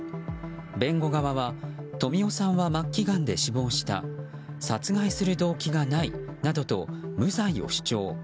弁護側は富夫さんは末期がんで死亡した殺害する動機がないなどと無罪を主張。